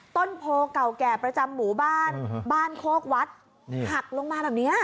ต้นโพเก่าแก่ประจำหมู่บ้านบ้านโคกวัดหักลงมาแบบเนี้ย